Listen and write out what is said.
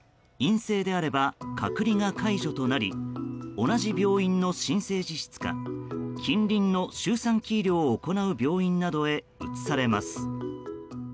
陰性であれば、隔離が解除となり同じ病院の新生児室か近隣の周産期医療を行う病院などへ移されます。